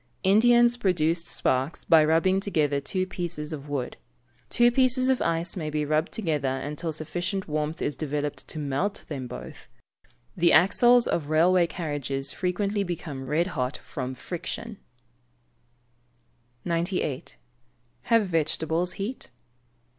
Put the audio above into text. Indians produce sparks by rubbing together two pieces of wood. Two pieces of ice may be rubbed together until sufficient warmth is developed to melt them both. The axles of railway carriages frequently become red hot from friction. 90. _Have vegetables heat?